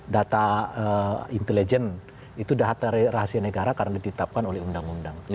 data intelijen itu data rahasia negara karena ditetapkan oleh undang undang